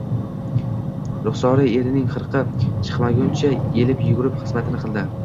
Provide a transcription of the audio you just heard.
Ruxsora erining qirqi chiqquncha elib yugurib xizmatini qildi